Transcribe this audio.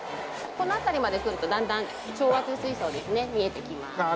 この辺りまで来るとだんだん調圧水槽ですね見えてきます。